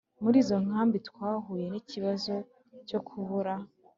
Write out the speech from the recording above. Muri izo nkambi twahuye n ikibazo cyo kubura